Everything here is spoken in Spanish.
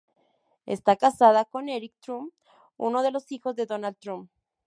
Está casada con Eric Trump, uno de los hijos de Donald Trump.